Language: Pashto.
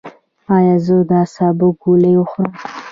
ایا زه د اعصابو ګولۍ وخورم؟